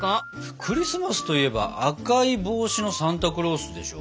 クリスマスといえば赤い帽子のサンタクロースでしょ？